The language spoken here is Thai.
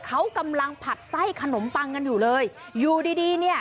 เขากำลังผัดไส้ขนมปังกันอยู่เลยอยู่ดีดีเนี่ย